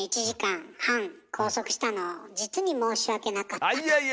１時間半拘束したのを実に申し訳なかったと。